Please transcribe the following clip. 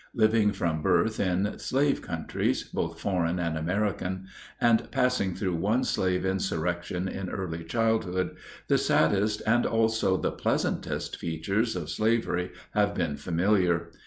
Living from birth in slave countries, both foreign and American, and passing through one slave insurrection in early childhood, the saddest and also the pleasantest features of slavery have been familiar.